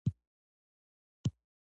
د ساه د لنډیدو لپاره باید څه وکړم؟